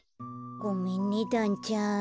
ごめんねだんちゃん。